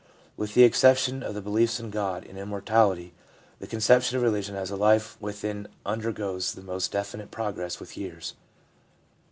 With the exception of the beliefs in God and Immor tality, the conception of religion as a life within under goes the most definite progress with years.